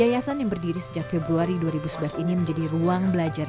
yayasan yang berdiri sejak februari dua ribu sebelas ini menjadi ruang belajar